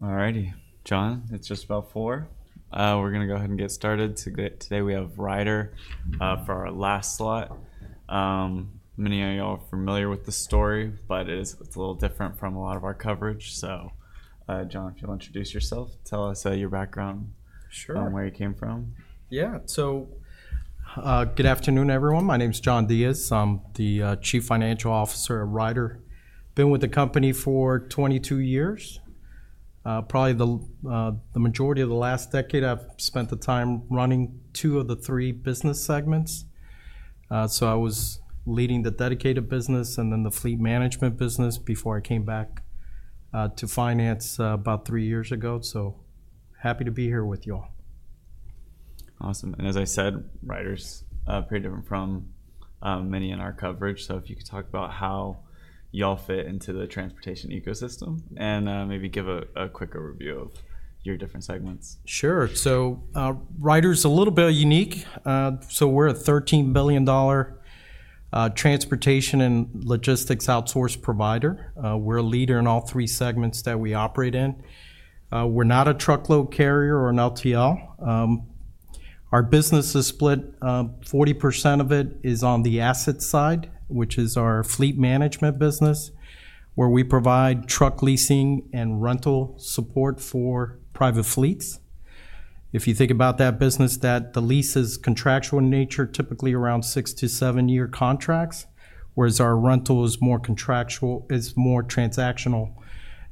Alrighty, John, it's just about 4:00 P.M. We're going to go ahead and get started. Today we have Ryder for our last slot. Many of y'all are familiar with the story, but it's a little different from a lot of our coverage. So, John, if you'll introduce yourself, tell us your background and where you came from. Sure. Yeah, so good afternoon, everyone. My name's John Diez. I'm the Chief Financial Officer at Ryder. Been with the company for 22 years. Probably the majority of the last decade, I've spent the time running two of the three business segments. So I was leading the dedicated business and then the fleet management business before I came back to finance about three years ago. So happy to be here with y'all. Awesome. And as I said, Ryder's pretty different from many in our coverage. So if you could talk about how y'all fit into the transportation ecosystem and maybe give a quick overview of your different segments. Sure. So Ryder's a little bit unique. So we're a $13 billion transportation and logistics outsource provider. We're a leader in all three segments that we operate in. We're not a truckload carrier or an LTL. Our business is split. 40% of it is on the asset side, which is our fleet management business, where we provide truck leasing and rental support for private fleets. If you think about that business, the lease is contractual in nature, typically around six to seven-year contracts, whereas our rental is more contractual, is more transactional.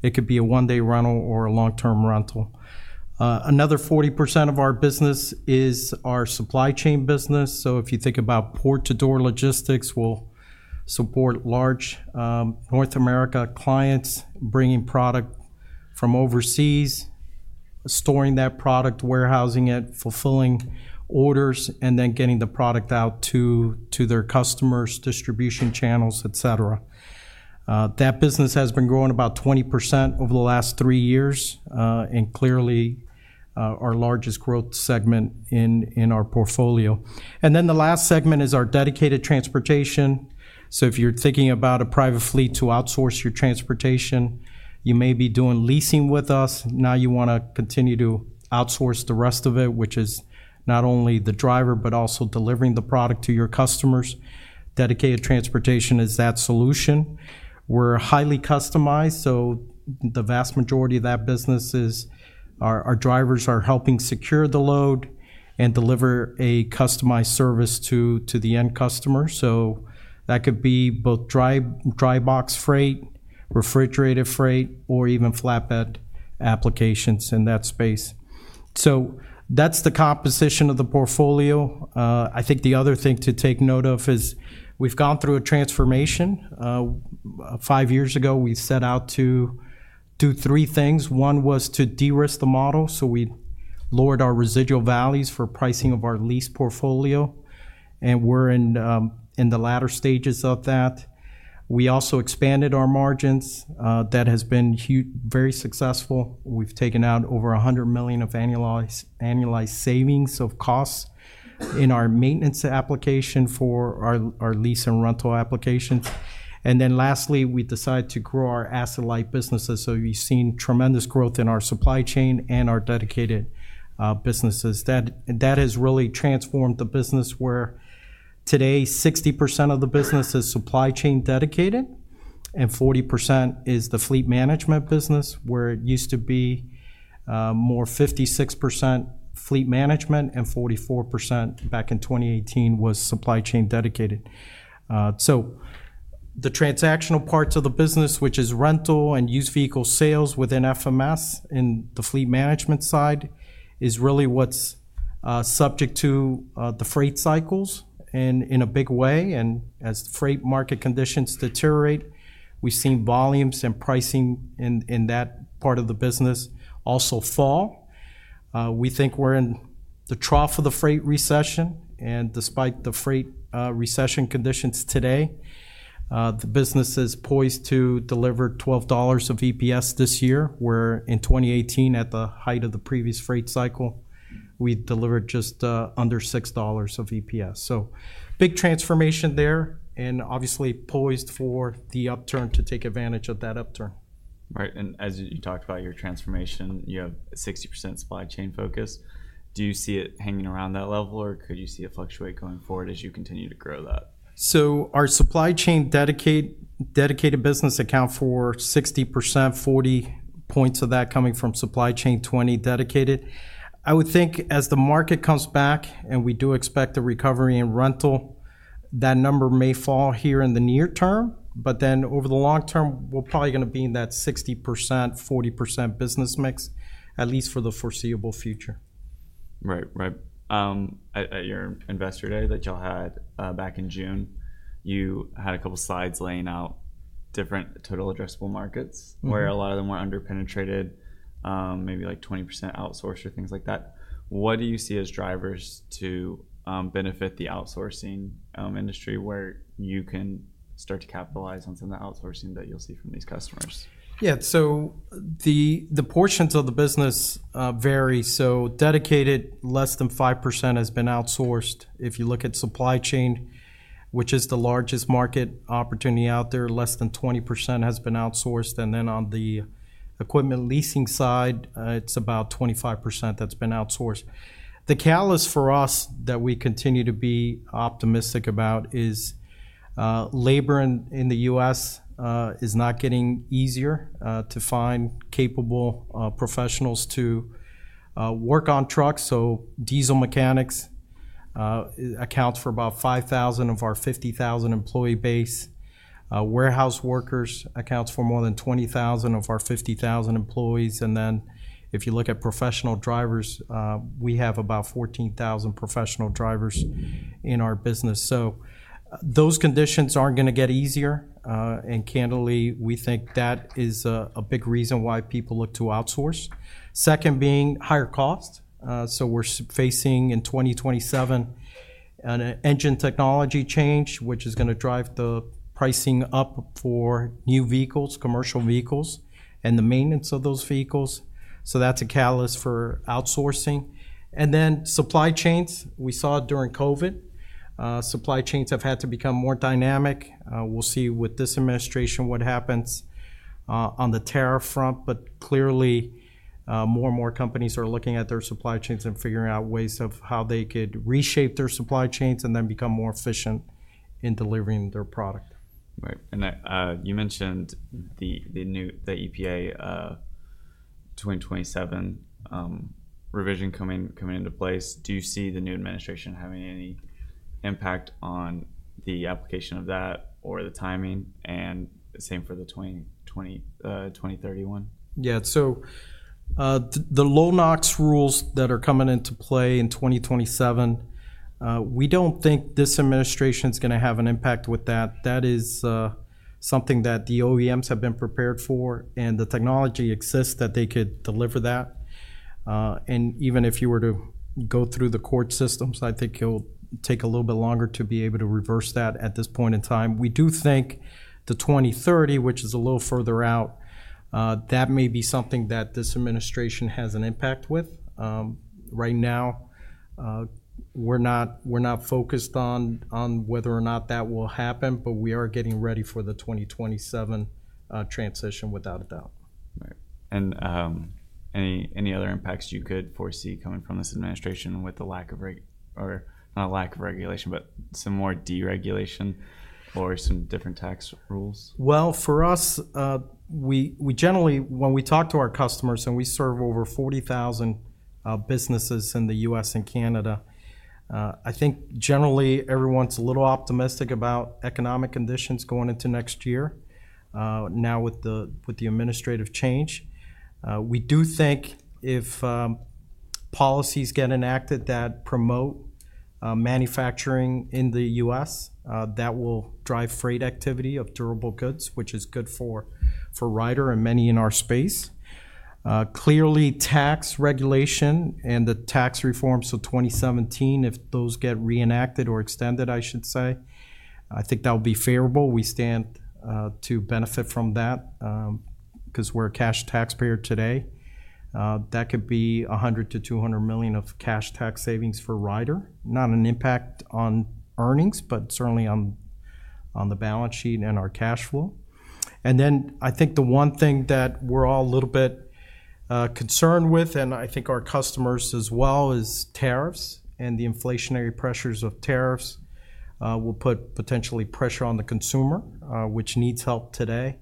It could be a one-day rental or a long-term rental. Another 40% of our business is our supply chain business. So if you think about port-to-door logistics, we'll support large North America clients, bringing product from overseas, storing that product, warehousing it, fulfilling orders, and then getting the product out to their customers, distribution channels, etc. That business has been growing about 20% over the last three years and clearly our largest growth segment in our portfolio, and then the last segment is our dedicated transportation, so if you're thinking about a private fleet to outsource your transportation, you may be doing leasing with us. Now you want to continue to outsource the rest of it, which is not only the driver, but also delivering the product to your customers. Dedicated transportation is that solution. We're highly customized, so the vast majority of that business is our drivers are helping secure the load and deliver a customized service to the end customer, so that could be both dry box freight, refrigerated freight, or even flatbed applications in that space, so that's the composition of the portfolio. I think the other thing to take note of is we've gone through a transformation. Five years ago, we set out to do three things. One was to de-risk the model, so we lowered our residual values for pricing of our lease portfolio, and we're in the latter stages of that. We also expanded our margins. That has been very successful. We've taken out over $100 million of annualized savings of costs in our maintenance application for our lease and rental applications. And then lastly, we decided to grow our asset-like businesses, so we've seen tremendous growth in our supply chain and our dedicated businesses. That has really transformed the business where today 60% of the business is supply chain dedicated and 40% is the fleet management business, where it used to be more 56% fleet management and 44% back in 2018 was supply chain dedicated. So the transactional parts of the business, which is rental and used vehicle sales within FMS in the fleet management side, is really what's subject to the freight cycles in a big way. And as freight market conditions deteriorate, we've seen volumes and pricing in that part of the business also fall. We think we're in the trough of the freight recession. And despite the freight recession conditions today, the business is poised to deliver $12 of EPS this year, where in 2018, at the height of the previous freight cycle, we delivered just under $6 of EPS. So big transformation there and obviously poised for the upturn to take advantage of that upturn. Right. And as you talked about your transformation, you have a 60% supply chain focus. Do you see it hanging around that level, or could you see it fluctuate going forward as you continue to grow that? So our supply chain dedicated business accounts for 60%, 40 points of that coming from supply chain, 20 dedicated. I would think as the market comes back and we do expect the recovery in rental, that number may fall here in the near term, but then over the long term, we're probably going to be in that 60%, 40% business mix, at least for the foreseeable future. Right, right. At your investor day that y'all had back in June, you had a couple of slides laying out different total addressable markets, where a lot of them were underpenetrated, maybe like 20% outsourced or things like that. What do you see as drivers to benefit the outsourcing industry where you can start to capitalize on some of the outsourcing that you'll see from these customers? Yeah. So the portions of the business vary. So dedicated, less than 5% has been outsourced. If you look at supply chain, which is the largest market opportunity out there, less than 20% has been outsourced. And then on the equipment leasing side, it's about 25% that's been outsourced. The catalyst for us that we continue to be optimistic about is labor in the U.S., is not getting easier to find capable professionals to work on trucks. So diesel mechanics accounts for about 5,000 of our 50,000 employee base. Warehouse workers accounts for more than 20,000 of our 50,000 employees. And then if you look at professional drivers, we have about 14,000 professional drivers in our business. So those conditions aren't going to get easier. And candidly, we think that is a big reason why people look to outsource. Second, being higher cost. So we're facing in 2027 an engine technology change, which is going to drive the pricing up for new vehicles, commercial vehicles, and the maintenance of those vehicles. So that's a catalyst for outsourcing. And then supply chains, we saw it during COVID. Supply chains have had to become more dynamic. We'll see with this administration what happens on the tariff front, but clearly more and more companies are looking at their supply chains and figuring out ways of how they could reshape their supply chains and then become more efficient in delivering their product. Right. And you mentioned the EPA 2027 revision coming into place. Do you see the new administration having any impact on the application of that or the timing? And same for the 2031? Yeah. So, the Low-NOx rules that are coming into play in 2027, we don't think this administration is going to have an impact with that. That is something that the OEMs have been prepared for, and the technology exists that they could deliver that, and even if you were to go through the court systems, I think it'll take a little bit longer to be able to reverse that at this point in time. We do think the 2030, which is a little further out, that may be something that this administration has an impact with. Right now, we're not focused on whether or not that will happen, but we are getting ready for the 2027 transition without a doubt. Right. And any other impacts you could foresee coming from this administration with the lack of regulation, but some more deregulation or some different tax rules? For us, we generally, when we talk to our customers and we serve over 40,000 businesses in the U.S., and Canada, I think generally everyone's a little optimistic about economic conditions going into next year. Now with the administrative change, we do think if policies get enacted that promote manufacturing in the U.S., that will drive freight activity of durable goods, which is good for Ryder and many in our space. Clearly, tax regulation and the tax reforms of 2017, if those get reenacted or extended, I should say, I think that would be favorable. We stand to benefit from that because we're a cash taxpayer today. That could be $100 million-$200 million of cash tax savings for Ryder. Not an impact on earnings, but certainly on the balance sheet and our cash flow. And then I think the one thing that we're all a little bit concerned with, and I think our customers as well, is tariffs and the inflationary pressures of tariffs will put potentially pressure on the consumer, which needs help today.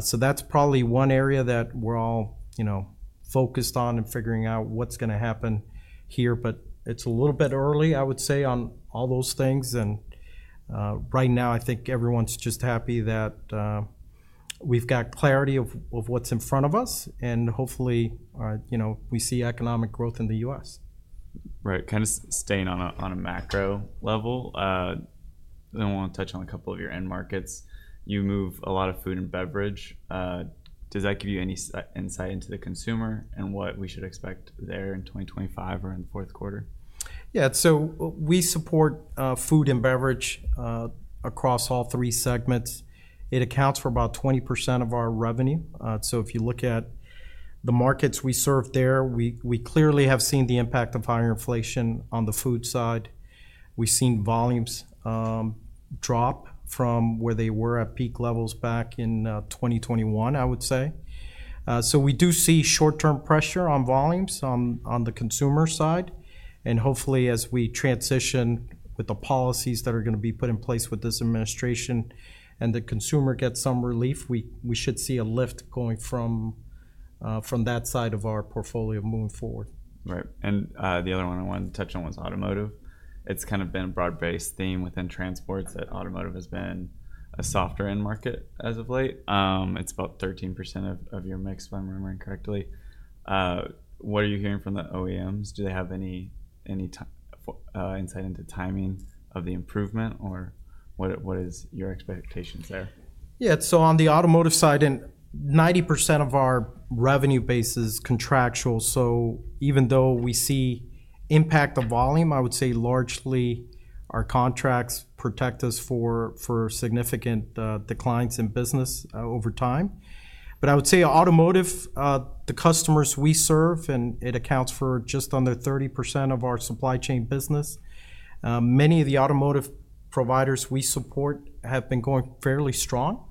So that's probably one area that we're all focused on and figuring out what's going to happen here, but it's a little bit early, I would say, on all those things. And right now, I think everyone's just happy that we've got clarity of what's in front of us, and hopefully we see economic growth in the U.S. Right. Kind of staying on a macro level, I want to touch on a couple of your end markets. You move a lot of food and beverage. Does that give you any insight into the consumer and what we should expect there in 2025 or in the fourth quarter? Yeah. So we support food and beverage across all three segments. It accounts for about 20% of our revenue. So if you look at the markets we serve there, we clearly have seen the impact of higher inflation on the food side. We've seen volumes drop from where they were at peak levels back in 2021, I would say. So we do see short-term pressure on volumes on the consumer side. And hopefully, as we transition with the policies that are going to be put in place with this administration and the consumer gets some relief, we should see a lift going from that side of our portfolio moving forward. Right. And the other one I wanted to touch on was automotive. It's kind of been a broad-based theme within transports that automotive has been a softer end market as of late. It's about 13% of your mix, if I'm remembering correctly. What are you hearing from the OEMs? Do they have any insight into timing of the improvement, or what is your expectations there? Yeah. So on the automotive side, 90% of our revenue base is contractual. So even though we see impact of volume, I would say largely our contracts protect us for significant declines in business over time. But I would say automotive, the customers we serve, and it accounts for just under 30% of our supply chain business. Many of the automotive providers we support have been going fairly strong.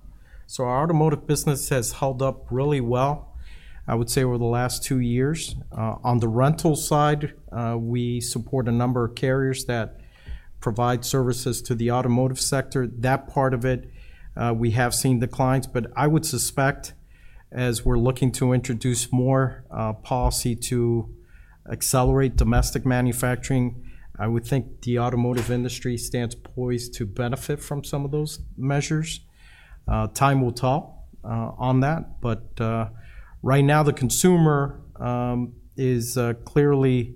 So our automotive business has held up really well, I would say, over the last two years. On the rental side, we support a number of carriers that provide services to the automotive sector. That part of it, we have seen declines. But I would suspect as we're looking to introduce more policy to accelerate domestic manufacturing, I would think the automotive industry stands poised to benefit from some of those measures. Time will tell on that. But right now, the consumer is clearly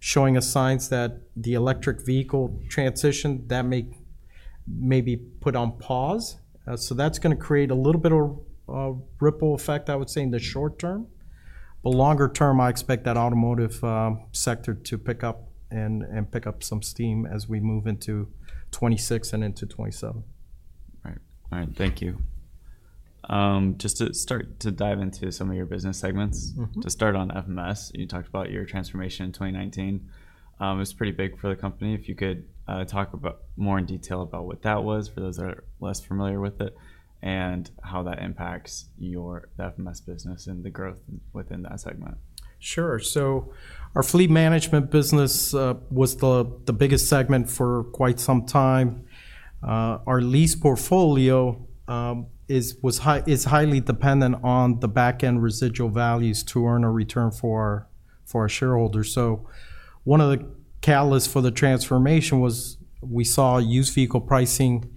showing a sign that the electric vehicle transition, that may be put on pause. So that's going to create a little bit of a ripple effect, I would say, in the short term. But longer term, I expect that automotive sector to pick up and pick up some steam as we move into 2026 and into 2027. Right. All right. Thank you. Just to start to dive into some of your business segments, to start on FMS, you talked about your transformation in 2019. It was pretty big for the company. If you could talk more in detail about what that was for those that are less familiar with it and how that impacts your FMS business and the growth within that segment. Sure. So our fleet management business was the biggest segment for quite some time. Our lease portfolio is highly dependent on the back-end residual values to earn a return for our shareholders. So one of the catalysts for the transformation was we saw used vehicle pricing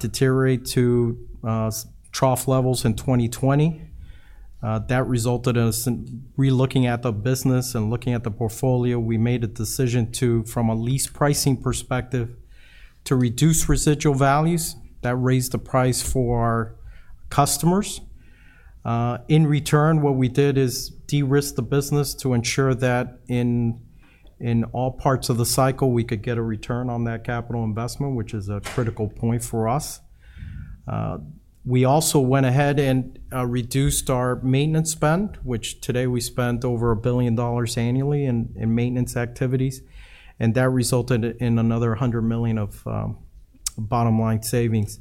deteriorate to trough levels in 2020. That resulted in relooking at the business and looking at the portfolio. We made a decision from a lease pricing perspective to reduce residual values. That raised the price for our customers. In return, what we did is de-risk the business to ensure that in all parts of the cycle, we could get a return on that capital investment, which is a critical point for us. We also went ahead and reduced our maintenance spend, which today we spend over $1 billion annually in maintenance activities. And that resulted in another $100 million of bottom-line savings.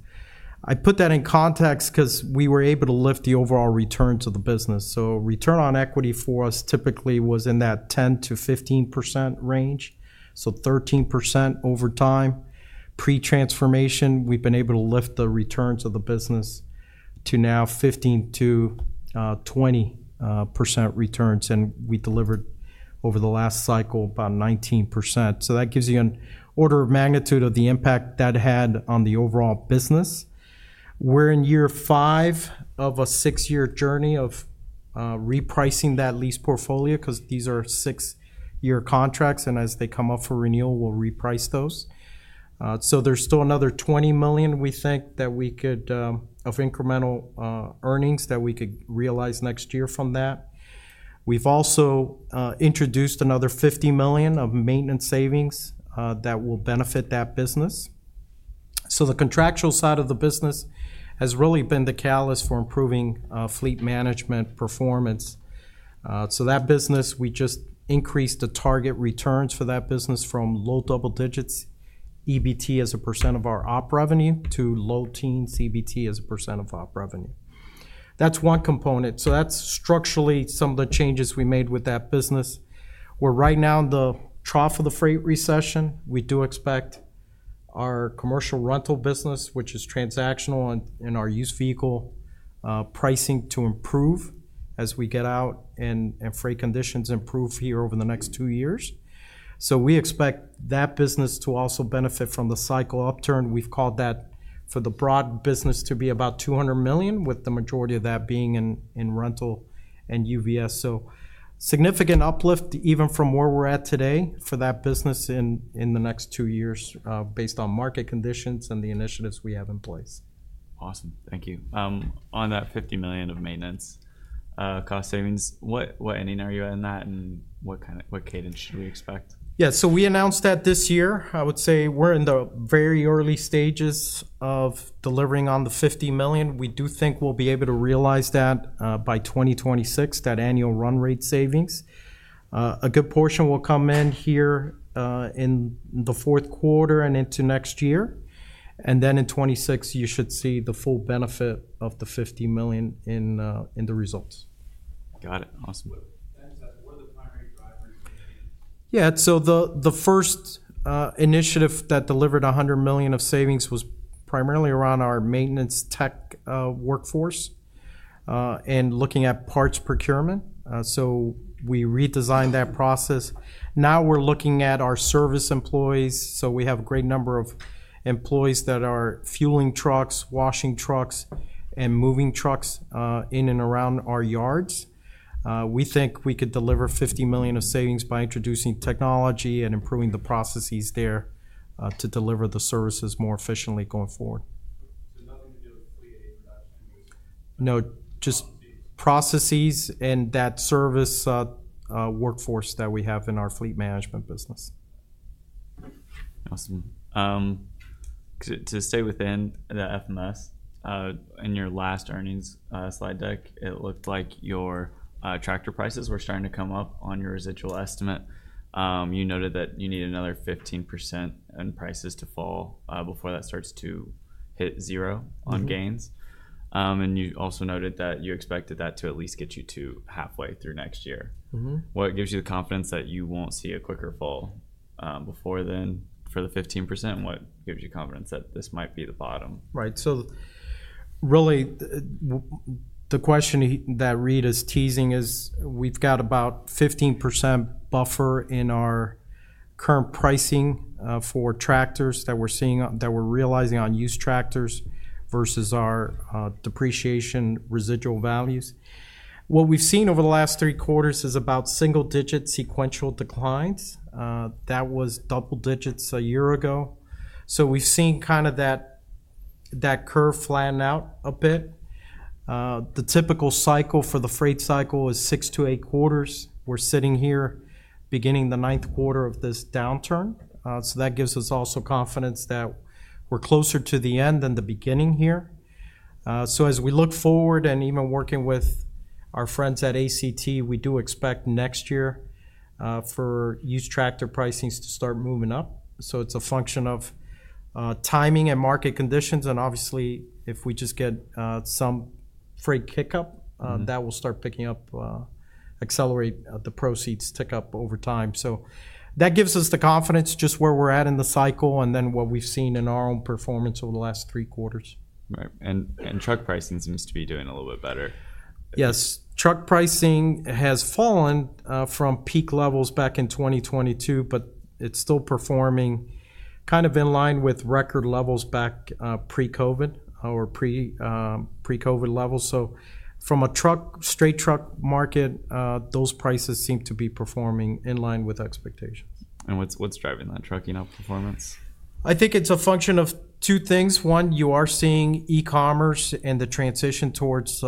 I put that in context because we were able to lift the overall returns of the business. Return on Equity for us typically was in that 10%-15% range, so 13% over time. Pre-transformation, we've been able to lift the returns of the business to now 15%-20% returns, and we delivered over the last cycle about 19%. That gives you an order of magnitude of the impact that had on the overall business. We're in year five of a six-year journey of repricing that lease portfolio because these are six-year contracts, and as they come up for renewal, we'll reprice those. There's still another $20 million, we think, of incremental earnings that we could realize next year from that. We've also introduced another $50 million of maintenance savings that will benefit that business. The contractual side of the business has really been the catalyst for improving fleet management performance. That business, we just increased the target returns for that business from low double digits, EBT as a % of our op revenue, to low teens, EBT as a % of op revenue. That's one component. That's structurally some of the changes we made with that business. We're right now in the trough of the freight recession. We do expect our commercial rental business, which is transactional in our used vehicle pricing, to improve as we get out and freight conditions improve here over the next two years. We expect that business to also benefit from the cycle upturn. We've called that for the broad business to be about $200 million, with the majority of that being in rental and UVS. So significant uplift even from where we're at today for that business in the next two years based on market conditions and the initiatives we have in place. Awesome. Thank you. On that $50 million of maintenance cost savings, what inning are you in that and what cadence should we expect? Yeah. So we announced that this year. I would say we're in the very early stages of delivering on the $50 million. We do think we'll be able to realize that by 2026, that annual run rate savings. A good portion will come in here in the fourth quarter and into next year. And then in 2026, you should see the full benefit of the $50 million in the results. Got it. Awesome. What are the primary drivers? Yeah. So the first initiative that delivered $100 million of savings was primarily around our maintenance tech workforce and looking at parts procurement. So we redesigned that process. Now we're looking at our service employees. So we have a great number of employees that are fueling trucks, washing trucks, and moving trucks in and around our yards. We think we could deliver $50 million of savings by introducing technology and improving the processes there to deliver the services more efficiently going forward. Nothing to do with fleet production? No, just processes and that service workforce that we have in our fleet management business. Awesome. To stay within the FMS, in your last earnings slide deck, it looked like your tractor prices were starting to come up on your residual estimate. You noted that you need another 15% in prices to fall before that starts to hit zero on gains. And you also noted that you expected that to at least get you to halfway through next year. What gives you the confidence that you won't see a quicker fall before then for the 15%? And what gives you confidence that this might be the bottom? Right. So really, the question that Reed is teasing is we've got about 15% buffer in our current pricing for tractors that we're seeing that we're realizing on used tractors versus our depreciation residual values. What we've seen over the last three quarters is about single-digit sequential declines. That was double digits a year ago. So we've seen kind of that curve flatten out a bit. The typical cycle for the freight cycle is six-to-eight quarters. We're sitting here beginning the ninth quarter of this downturn. So that gives us also confidence that we're closer to the end than the beginning here. So as we look forward and even working with our friends at ACT, we do expect next year for used tractor pricings to start moving up. So it's a function of timing and market conditions. And obviously, if we just get some freight pick up, that will start picking up, accelerate the spreads tick up over time. So that gives us the confidence just where we're at in the cycle and then what we've seen in our own performance over the last three quarters. Right, and truck pricing seems to be doing a little bit better. Yes. Truck pricing has fallen from peak levels back in 2022, but it's still performing kind of in line with record levels back pre-COVID or pre-COVID levels. So from a truck, straight truck market, those prices seem to be performing in line with expectations. What's driving that trucking up performance? I think it's a function of two things. One, you are seeing e-commerce and the transition towards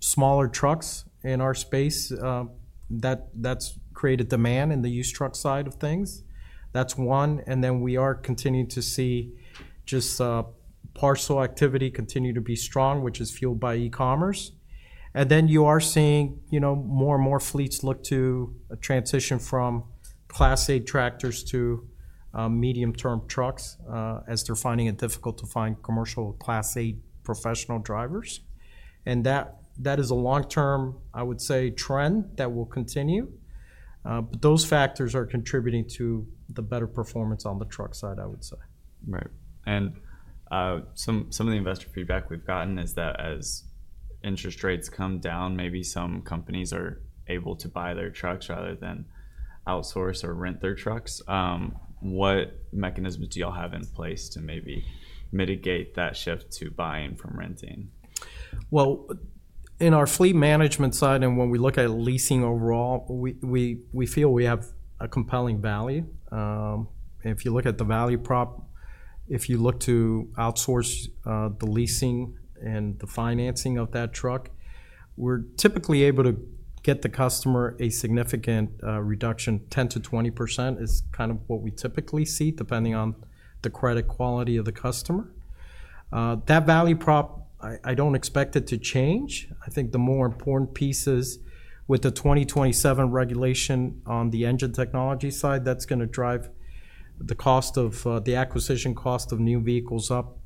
smaller trucks in our space. That's created demand in the used truck side of things. That's one, and then we are continuing to see just parcel activity continue to be strong, which is fueled by e-commerce. And then you are seeing more and more fleets look to a transition from Class A tractors to medium-duty trucks as they're finding it difficult to find commercial Class A professional drivers. And that is a long-term, I would say, trend that will continue. But those factors are contributing to the better performance on the truck side, I would say. Right. And some of the investor feedback we've gotten is that as interest rates come down, maybe some companies are able to buy their trucks rather than outsource or rent their trucks. What mechanisms do y'all have in place to maybe mitigate that shift to buying from renting? In our fleet management side, and when we look at leasing overall, we feel we have a compelling value. If you look at the value prop, if you look to outsource the leasing and the financing of that truck, we're typically able to get the customer a significant reduction, 10%-20% is kind of what we typically see depending on the credit quality of the customer. That value prop, I don't expect it to change. I think the more important pieces with the 2027 regulation on the engine technology side, that's going to drive the cost of the acquisition cost of new vehicles up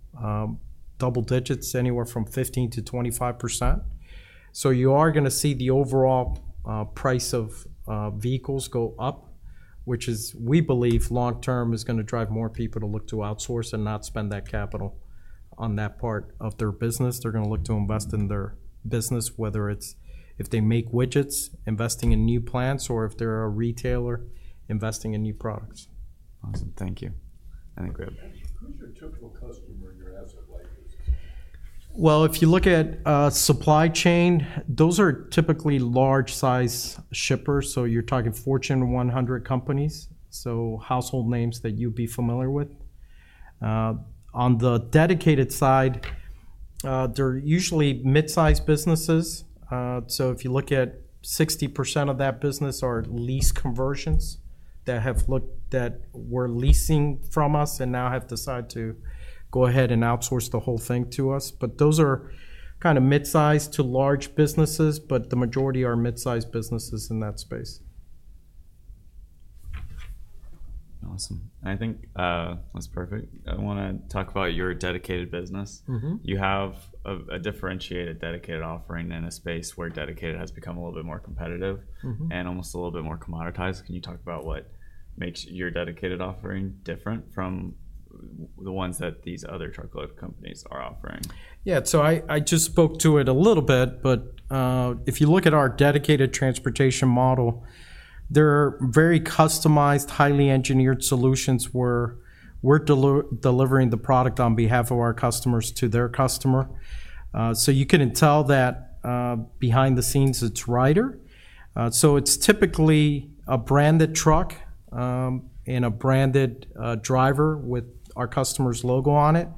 double digits, anywhere from 15%-25%. You are going to see the overall price of vehicles go up, which is, we believe, long-term is going to drive more people to look to outsource and not spend that capital on that part of their business. They're going to look to invest in their business, whether it's if they make widgets, investing in new plants, or if they're a retailer, investing in new products. Awesome. Thank you. I think we have. Who's your typical customer in your asset-light? If you look at supply chain, those are typically large-size shippers. So you're talking Fortune 100 companies, so household names that you'd be familiar with. On the dedicated side, they're usually mid-sized businesses. So if you look at 60% of that business are lease conversions that have looked to that were leasing from us and now have decided to go ahead and outsource the whole thing to us. But those are kind of mid-size to large businesses, but the majority are mid-size businesses in that space. Awesome. I think that's perfect. I want to talk about your dedicated business. You have a differentiated dedicated offering in a space where dedicated has become a little bit more competitive and almost a little bit more commoditized. Can you talk about what makes your dedicated offering different from the ones that these other truckload companies are offering? Yeah. So I just spoke to it a little bit, but if you look at our dedicated transportation model, there are very customized, highly engineered solutions where we're delivering the product on behalf of our customers to their customer. So you can tell that behind the scenes, it's Ryder. So it's typically a branded truck and a branded driver with our customer's logo on it.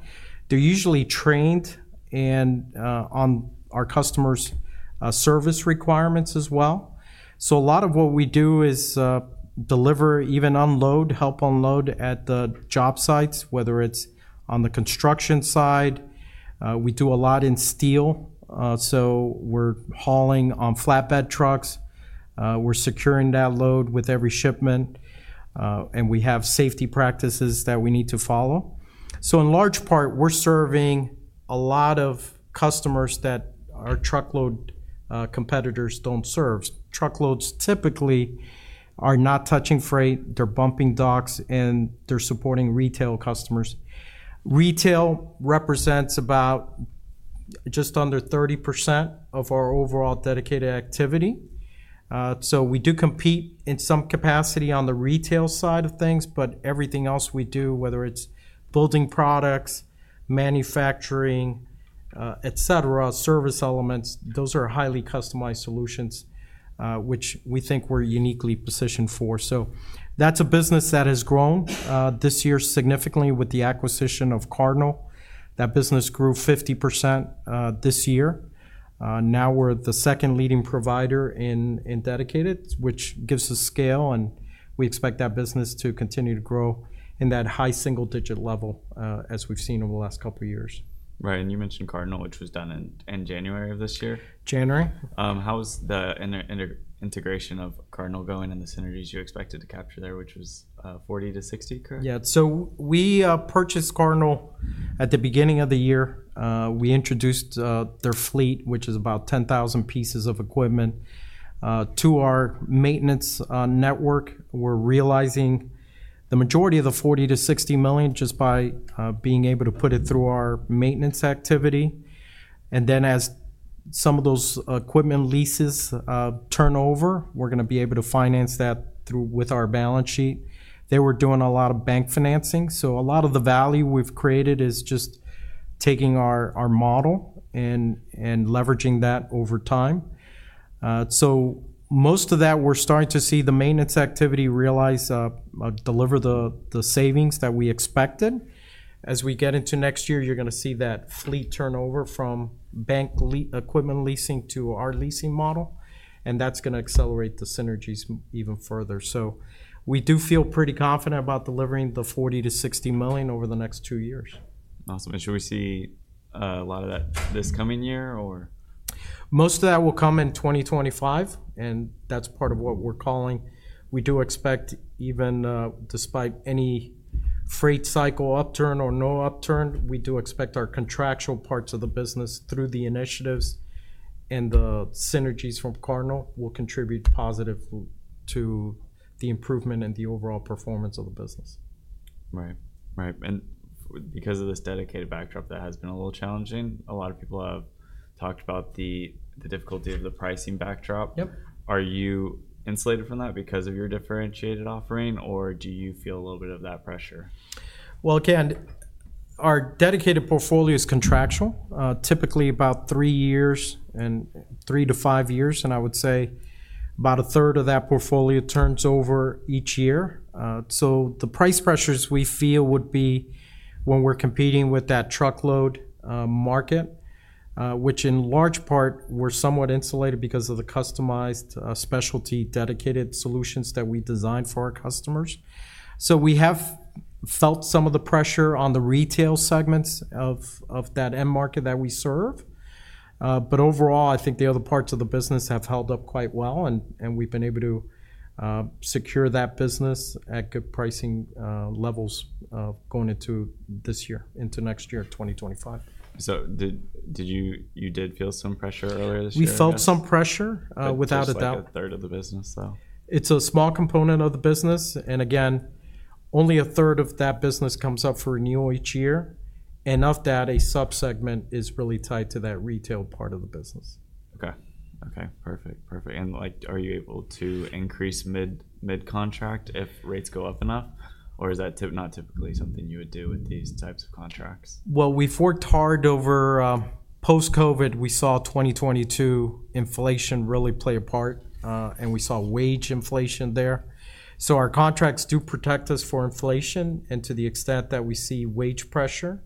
They're usually trained on our customer's service requirements as well. So a lot of what we do is deliver, even unload, help unload at the job sites, whether it's on the construction side. We do a lot in steel. So we're hauling on flatbed trucks. We're securing that load with every shipment. And we have safety practices that we need to follow. So in large part, we're serving a lot of customers that our truckload competitors don't serve. Truckloads typically are not touching freight. They're bumping docks, and they're supporting retail customers. Retail represents about just under 30% of our overall dedicated activity. So we do compete in some capacity on the retail side of things, but everything else we do, whether it's building products, manufacturing, etc., service elements, those are highly customized solutions, which we think we're uniquely positioned for. So that's a business that has grown this year significantly with the acquisition of Cardinal. That business grew 50% this year. Now we're the second leading provider in dedicated, which gives us scale, and we expect that business to continue to grow in that high single-digit level as we've seen over the last couple of years. Right, and you mentioned Cardinal, which was done in January of this year. January. How was the integration of Cardinal going, and the synergies you expected to capture there, which was 40-60? Yeah. So we purchased Cardinal at the beginning of the year. We introduced their fleet, which is about 10,000 pieces of equipment to our maintenance network. We're realizing the majority of the $40 million-$60 million just by being able to put it through our maintenance activity. And then as some of those equipment leases turn over, we're going to be able to finance that through with our balance sheet. They were doing a lot of bank financing. So a lot of the value we've created is just taking our model and leveraging that over time. So most of that, we're starting to see the maintenance activity realize deliver the savings that we expected. As we get into next year, you're going to see that fleet turnover from bank equipment leasing to our leasing model. And that's going to accelerate the synergies even further. We do feel pretty confident about delivering $40 million-$60 million over the next two years. Awesome. And should we see a lot of that this coming year, or? Most of that will come in 2025, and that's part of what we're calling. We do expect, even despite any freight cycle upturn or no upturn, we do expect our contractual parts of the business through the initiatives and the synergies from Cardinal will contribute positively to the improvement and the overall performance of the business. Right. Right. And because of this dedicated backdrop that has been a little challenging, a lot of people have talked about the difficulty of the pricing backdrop. Are you insulated from that because of your differentiated offering, or do you feel a little bit of that pressure? Well, again, our dedicated portfolio is contractual, typically about three years and three to five years. And I would say about a third of that portfolio turns over each year. So the price pressures we feel would be when we're competing with that truckload market, which in large part, we're somewhat insulated because of the customized specialty dedicated solutions that we designed for our customers. So we have felt some of the pressure on the retail segments of that end market that we serve. But overall, I think the other parts of the business have held up quite well. And we've been able to secure that business at good pricing levels going into this year, into next year, 2025. So did you feel some pressure earlier this year? We felt some pressure without a doubt. Is that a third of the business, though? It's a small component of the business. And again, only a third of that business comes up for renewal each year, enough that a subsegment is really tied to that retail part of the business. Okay. Perfect. And are you able to increase mid-contract if rates go up enough, or is that not typically something you would do with these types of contracts? We've worked hard over post-COVID. We saw 2022 inflation really play a part, and we saw wage inflation there. Our contracts do protect us for inflation. To the extent that we see wage pressure,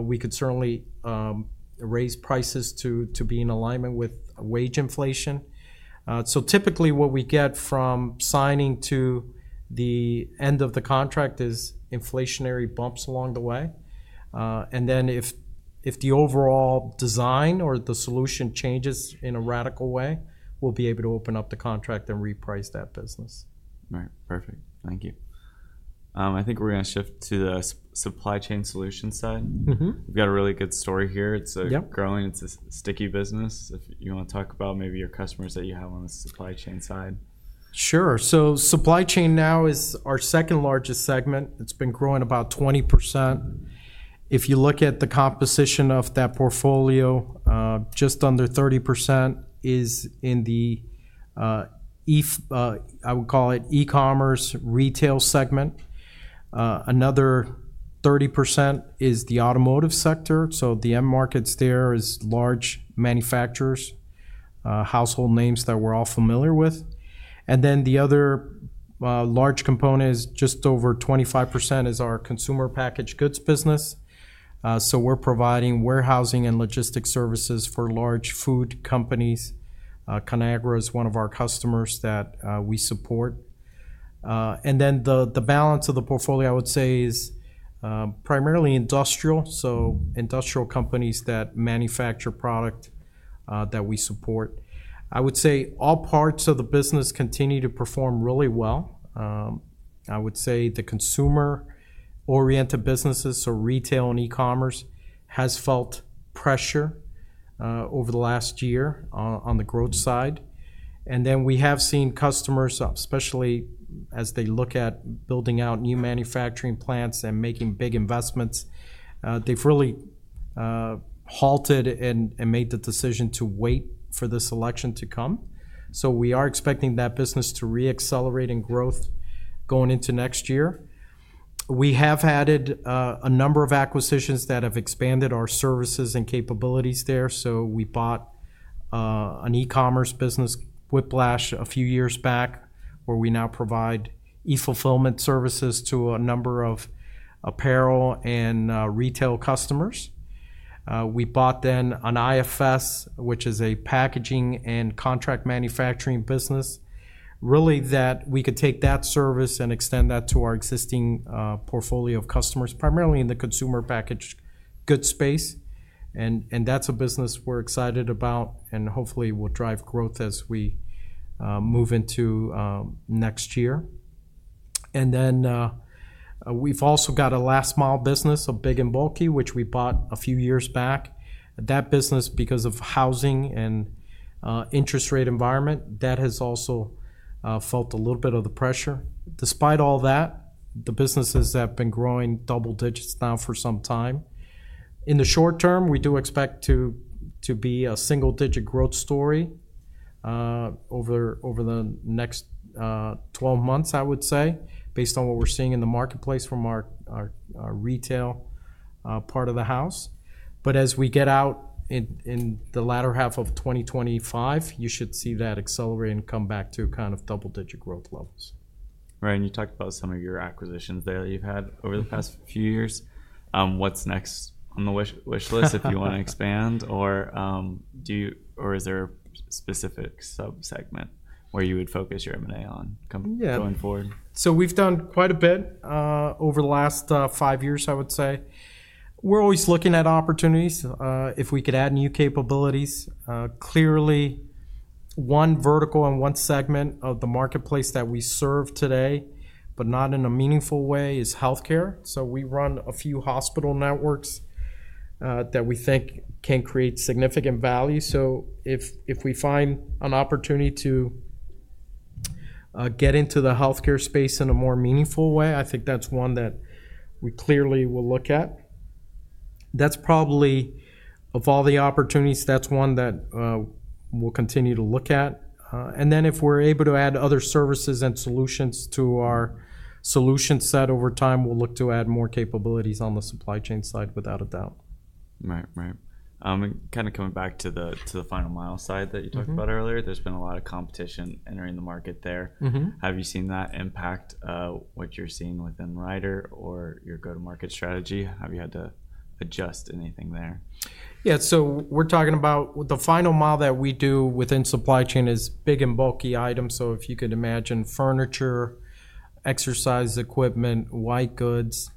we could certainly raise prices to be in alignment with wage inflation. Typically, what we get from signing to the end of the contract is inflationary bumps along the way. If the overall design or the solution changes in a radical way, we'll be able to open up the contract and reprice that business. Right. Perfect. Thank you. I think we're going to shift to the Supply Chain Solutions side. We've got a really good story here. It's growing. It's a sticky business. If you want to talk about maybe your customers that you have on the Supply Chain Solutions side. Sure. So supply chain now is our second largest segment. It's been growing about 20%. If you look at the composition of that portfolio, just under 30% is in the, I would call it, e-commerce retail segment. Another 30% is the automotive sector. So the end markets there are large manufacturers, household names that we're all familiar with. And then the other large component is just over 25% is our consumer packaged goods business. So we're providing warehousing and logistics services for large food companies. Conagra is one of our customers that we support. And then the balance of the portfolio, I would say, is primarily industrial. So industrial companies that manufacture product that we support. I would say all parts of the business continue to perform really well. I would say the consumer-oriented businesses, so retail and e-commerce, has felt pressure over the last year on the growth side. And then we have seen customers, especially as they look at building out new manufacturing plants and making big investments, they've really halted and made the decision to wait for this election to come. So we are expecting that business to re-accelerate in growth going into next year. We have had a number of acquisitions that have expanded our services and capabilities there. So we bought an e-commerce business, Whiplash, a few years back, where we now provide e-fulfillment services to a number of apparel and retail customers. We bought then an IFS, which is a packaging and contract manufacturing business, really that we could take that service and extend that to our existing portfolio of customers, primarily in the consumer packaged goods space. And that's a business we're excited about and hopefully will drive growth as we move into next year. And then we've also got a last-mile business, a big and bulky, which we bought a few years back. That business, because of housing and interest rate environment, that has also felt a little bit of the pressure. Despite all that, the businesses have been growing double digits now for some time. In the short term, we do expect to be a single-digit growth story over the next 12 months, I would say, based on what we're seeing in the marketplace from our retail part of the house. But as we get out in the latter half of 2025, you should see that accelerate and come back to kind of double-digit growth levels. Right. And you talked about some of your acquisitions there that you've had over the past few years. What's next on the wish list if you want to expand, or is there a specific subsegment where you would focus your M&A on going forward? Yeah. So we've done quite a bit over the last five years, I would say. We're always looking at opportunities if we could add new capabilities. Clearly, one vertical and one segment of the marketplace that we serve today, but not in a meaningful way, is healthcare. So we run a few hospital networks that we think can create significant value. So if we find an opportunity to get into the healthcare space in a more meaningful way, I think that's one that we clearly will look at. That's probably, of all the opportunities, that's one that we'll continue to look at. And then if we're able to add other services and solutions to our solution set over time, we'll look to add more capabilities on the supply chain side, without a doubt. Right. Right. Kind of coming back to the final mile side that you talked about earlier, there's been a lot of competition entering the market there. Have you seen that impact what you're seeing within Ryder or your go-to-market strategy? Have you had to adjust anything there? Yeah. So we're talking about the final mile that we do within supply chain is big and bulky items. So if you could imagine furniture, exercise equipment, white goods,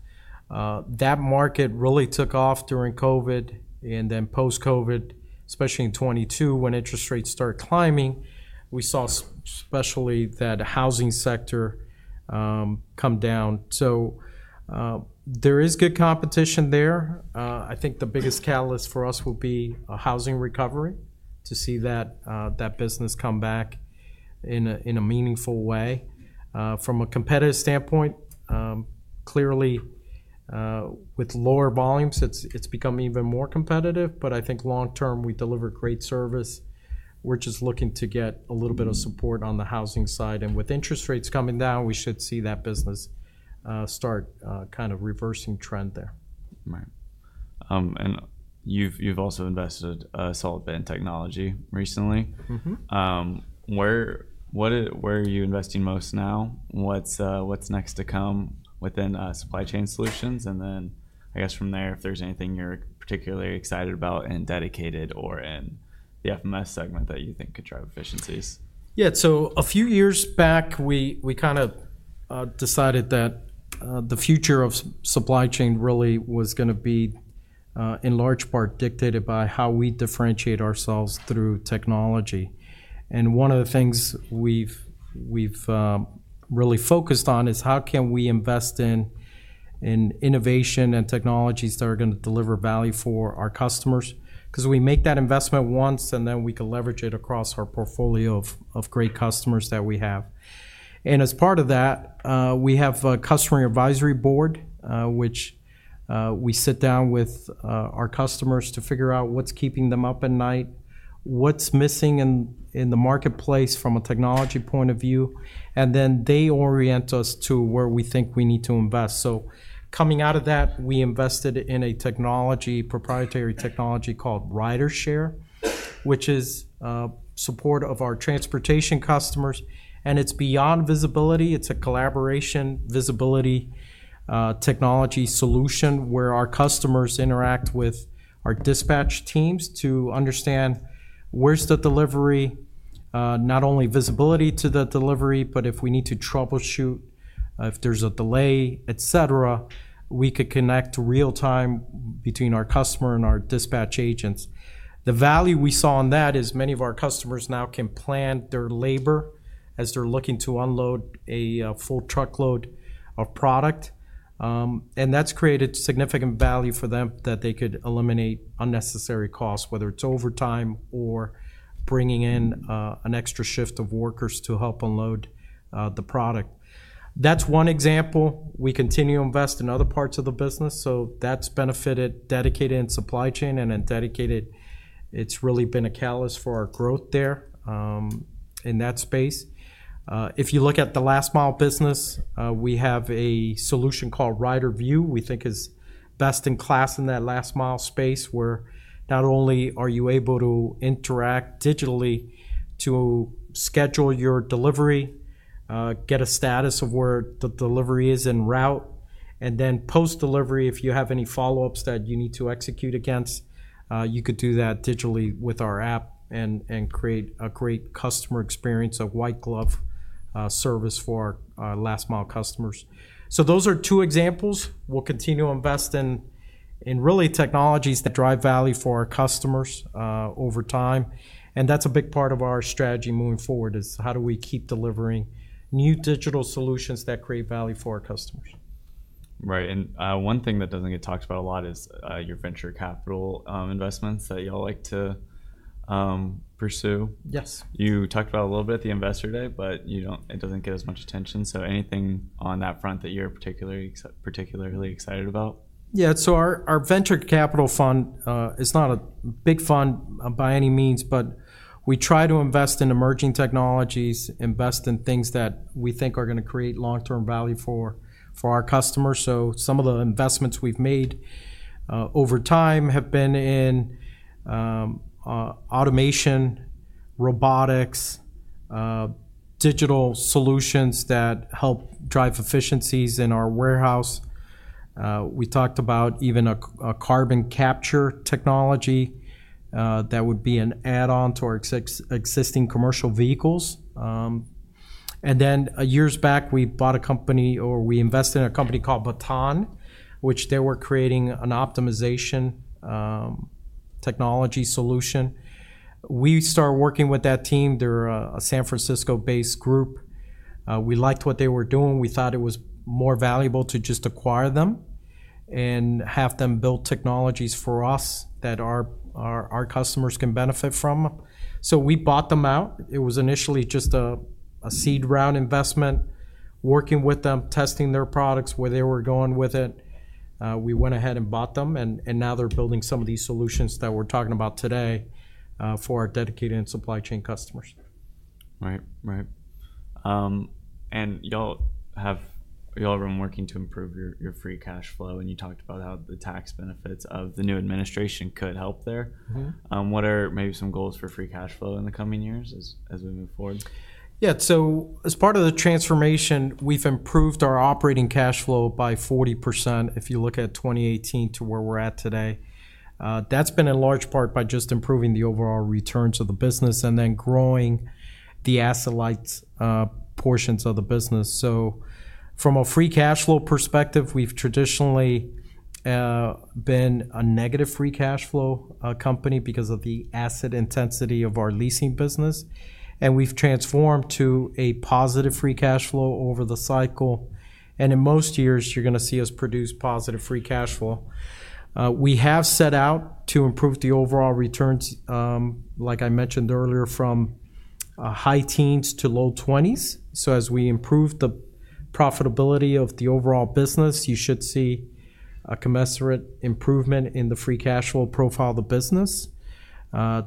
that market really took off during COVID and then post-COVID, especially in 2022 when interest rates started climbing. We saw especially that housing sector come down. So there is good competition there. I think the biggest catalyst for us will be a housing recovery to see that business come back in a meaningful way. From a competitive standpoint, clearly, with lower volumes, it's become even more competitive. But I think long-term, we deliver great service. We're just looking to get a little bit of support on the housing side. And with interest rates coming down, we should see that business start kind of reversing trend there. Right. And you've also invested a solid bit in technology recently. Where are you investing most now? What's next to come within Supply Chain Solutions? And then I guess from there, if there's anything you're particularly excited about and dedicated or in the FMS segment that you think could drive efficiencies. Yeah. So a few years back, we kind of decided that the future of supply chain really was going to be in large part dictated by how we differentiate ourselves through technology. And one of the things we've really focused on is how can we invest in innovation and technologies that are going to deliver value for our customers? Because we make that investment once, and then we can leverage it across our portfolio of great customers that we have. And as part of that, we have a customer advisory board, which we sit down with our customers to figure out what's keeping them up at night, what's missing in the marketplace from a technology point of view, and then they orient us to where we think we need to invest. So coming out of that, we invested in a technology, proprietary technology called RyderShare, which is support of our transportation customers. And it's beyond visibility. It's a collaboration visibility technology solution where our customers interact with our dispatch teams to understand where's the delivery, not only visibility to the delivery, but if we need to troubleshoot, if there's a delay, et cetera, we could connect real-time between our customer and our dispatch agents. The value we saw in that is many of our customers now can plan their labor as they're looking to unload a full truckload of product. And that's created significant value for them that they could eliminate unnecessary costs, whether it's overtime or bringing in an extra shift of workers to help unload the product. That's one example. We continue to invest in other parts of the business. So that's benefited dedicated and supply chain. Dedicated, it's really been a catalyst for our growth there in that space. If you look at the last-mile business, we have a solution called RyderView, we think is best in class in that last-mile space, where not only are you able to interact digitally to schedule your delivery, get a status of where the delivery is and route, and then post-delivery, if you have any follow-ups that you need to execute against, you could do that digitally with our app and create a great customer experience, a white glove service for our last-mile customers. So those are two examples. We'll continue to invest in really technologies that drive value for our customers over time. That's a big part of our strategy moving forward is how do we keep delivering new digital solutions that create value for our customers. Right. One thing that doesn't get talked about a lot is your venture capital investments that y'all like to pursue. Yes. You talked about a little bit at the investor day, but it doesn't get as much attention, so anything on that front that you're particularly excited about? Yeah. So our venture capital fund is not a big fund by any means, but we try to invest in emerging technologies, invest in things that we think are going to create long-term value for our customers. So some of the investments we've made over time have been in automation, robotics, digital solutions that help drive efficiencies in our warehouse. We talked about even a carbon capture technology that would be an add-on to our existing commercial vehicles, and then years back, we bought a company or we invested in a company called Baton, which they were creating an optimization technology solution. We started working with that team. They're a San Francisco-based group. We liked what they were doing. We thought it was more valuable to just acquire them and have them build technologies for us that our customers can benefit from, so we bought them out. It was initially just a seed round investment, working with them, testing their products, where they were going with it. We went ahead and bought them, and now they're building some of these solutions that we're talking about today for our dedicated and supply chain customers. Right. Right. And y'all have been working to improve your free cash flow. And you talked about how the tax benefits of the new administration could help there. What are maybe some goals for free cash flow in the coming years as we move forward? Yeah. So as part of the transformation, we've improved our operating cash flow by 40% if you look at 2018 to where we're at today. That's been in large part by just improving the overall returns of the business and then growing the asset-light portions of the business. So from a free cash flow perspective, we've traditionally been a negative free cash flow company because of the asset intensity of our leasing business. And we've transformed to a positive free cash flow over the cycle. And in most years, you're going to see us produce positive free cash flow. We have set out to improve the overall returns, like I mentioned earlier, from high teens to low 20s. So as we improve the profitability of the overall business, you should see a commensurate improvement in the free cash flow profile of the business.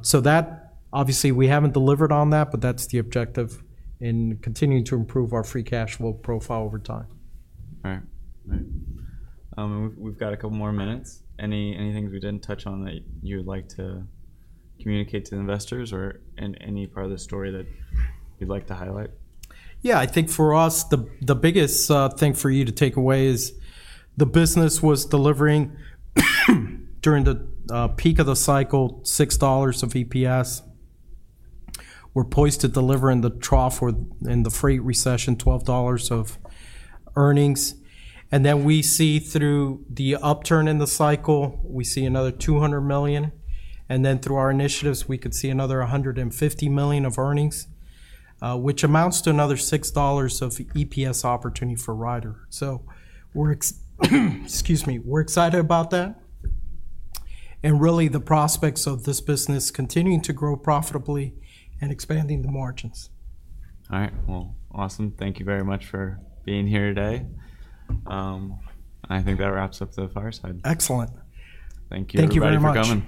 So that, obviously, we haven't delivered on that, but that's the objective in continuing to improve our free cash flow profile over time. Right. Right. We've got a couple more minutes. Any things we didn't touch on that you would like to communicate to investors or any part of the story that you'd like to highlight? Yeah. I think for us, the biggest thing for you to take away is the business was delivering during the peak of the cycle, $6 of EPS. We're poised to deliver in the trough and the freight recession, $12 of earnings. And then we see through the upturn in the cycle, we see another $200 million. And then through our initiatives, we could see another $150 million of earnings, which amounts to another $6 of EPS opportunity for Ryder. So we're excited about that and really the prospects of this business continuing to grow profitably and expanding the margins. All right, well, awesome. Thank you very much for being here today. I think that wraps up the fireside. Excellent. Thank you. Thank you very much. Thanks for coming.